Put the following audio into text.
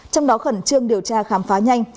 trong đó khẩn trương điều tra khám phá nhanh